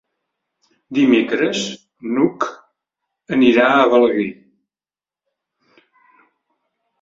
Dimecres n'Hug anirà a Balaguer.